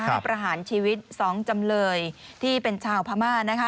ใช่ครับประหารชีวิตสองจำเลยที่เป็นชาวพม่านะคะ